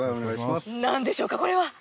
なんでしょうか、これは。